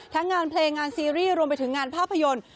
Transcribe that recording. งานเพลงงานซีรีส์รวมไปถึงงานภาพยนตร์